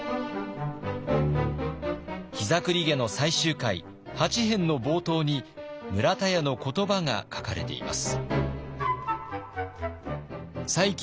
「膝栗毛」の最終回８編の冒頭に村田屋の言葉が書かれています。